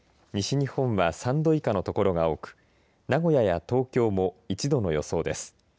西日本は３度以下の所が多く名古屋や東京も１度の予想です。